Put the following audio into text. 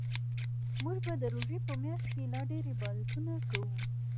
موږ به د روژې په میاشت کې لا ډیرعبادتونه کوو